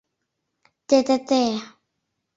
Те-те-те!..